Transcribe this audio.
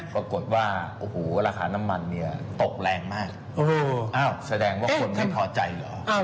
ปรากฏว่าราคาน้ำมันตกแรงมากแสดงว่าคนไม่ทอใจหรอก